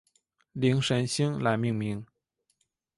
灵神星来命名。